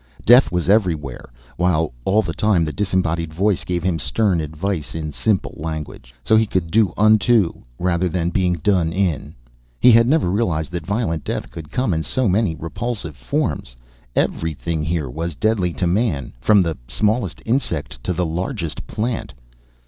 Death was everywhere. While all the time the disembodied voice gave him stern advice in simple language. So he could do unto, rather than being done in. He had never realized that violent death could come in so many repulsive forms. Everything here was deadly to man from the smallest insect to the largest plant.